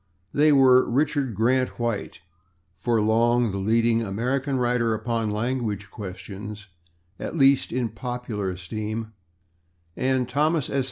They were Richard Grant White, for long the leading American writer upon language questions, at least in popular esteem, and Thomas S.